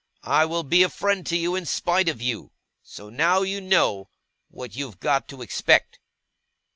I will be a friend to you, in spite of you. So now you know what you've got to expect.